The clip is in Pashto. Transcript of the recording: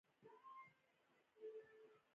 ښکلي خلک او درنې سټې څوک څنګه هېر کړي.